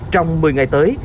trong một mươi ngày tới